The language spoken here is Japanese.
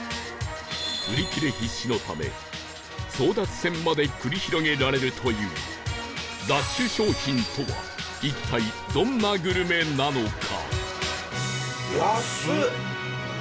売り切れ必至のため争奪戦まで繰り広げられるというラッシュ商品とは一体どんなグルメなのか？